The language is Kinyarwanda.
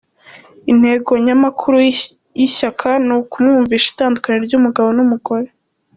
Intego nyamukuru y’ishyaka, ni ukumwumvisha itandukaniro ry’umugabo n’umugore.